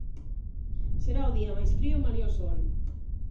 Será o día máis frío malia o sol.